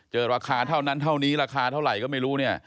ราคาเท่านั้นเท่านี้ราคาเท่าไหร่ก็ไม่รู้เนี่ย